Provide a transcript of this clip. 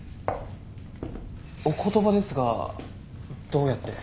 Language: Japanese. お言葉ですがどうやって？